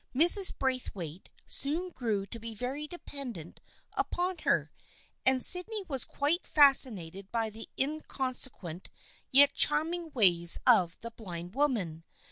Mrs. Braithwaite soon grew to be very dependent upon her, and Sydney was quite fascinated by the inconsequent yet charming ways of the blind woman.